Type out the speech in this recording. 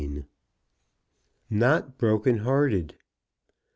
NOT BROKEN HEARTED.